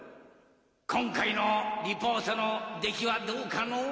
今回のリポートの出来はどうかのう？